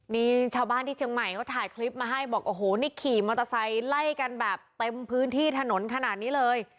นี่ชาวบ้านที่เชียงใหม่เขาถ่ายคลิปมาให้บอกโอ้โหนี่ขี่มอเตอร์ไซค์ไล่กันแบบเต็มพื้นที่ถนนขนาดนี้เลย